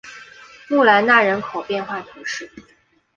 穆兰纳人口变化图示